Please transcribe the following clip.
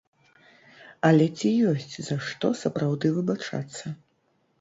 Але ці ёсць за што сапраўды выбачацца?